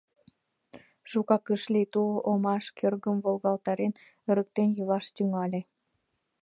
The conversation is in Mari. Шукак ыш лий, тул, омаш кӧргым волгалтарен, ырыктен йӱлаш тӱҥале.